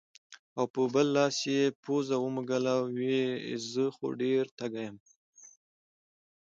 او پۀ بل لاس يې پوزه ومږله وې زۀ خو ډېر تږے يم